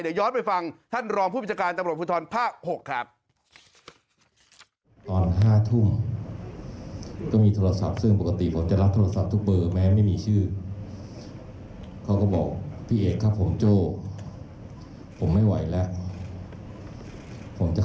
เดี๋ยวย้อนไปฟังท่านรองผู้บัญชาการตำรวจภูทรภาค๖ครับ